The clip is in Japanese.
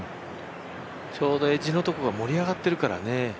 ちょうどエッジのところが盛り上がっているからね。